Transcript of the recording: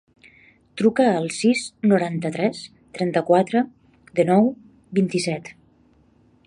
Truca al sis, noranta-tres, trenta-quatre, dinou, vint-i-set.